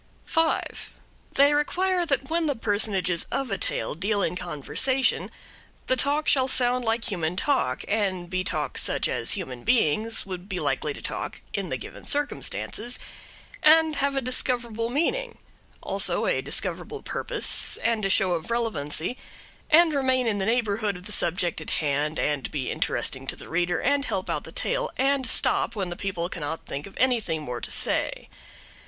5. They require that when the personages of a tale deal in conversation, the talk shall sound like human talk, and be talk such as human beings would be likely to talk in the given circumstances, and have a discoverable meaning, also a discoverable purpose, and a show of relevancy, and remain in the neighborhood of the subject in hand, and be interesting to the reader, and help out the tale, and stop when the people cannot think of anything more to say.